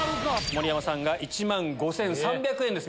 盛山さんが１万５３００円です